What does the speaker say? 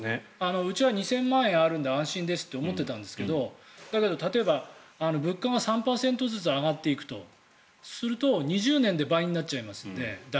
うちは２０００万円あるので安心ですって思ってたんですけどだけど例えば、物価が３％ずつ上がっていくとすると大体２０年で倍になっちゃいますので。